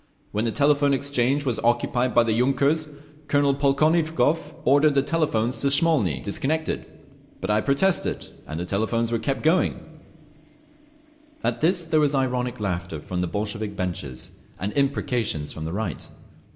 When the Telephone Exchange was occupied by the yunkers Colonel Polkovnikov ordered the telephones to Smolny disconnected, but I protested, and the telephones were kept going…." At this there was ironic laughter from the Bolshevik benches, and imprecations from the right.